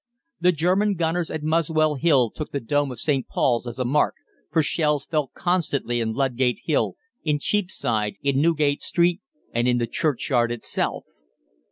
The German gunners at Muswell Hill took the dome of St. Paul's as a mark, for shells fell constantly in Ludgate Hill, in Cheapside, in Newgate Street, and in the Churchyard itself.